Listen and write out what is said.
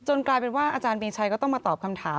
กลายเป็นว่าอาจารย์มีชัยก็ต้องมาตอบคำถาม